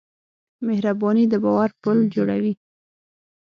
مهرباني د باور پُل جوړوي.